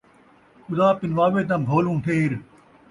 خدا پنواوے تاں بھولوں ڈھیر